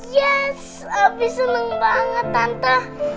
yes api seneng banget tante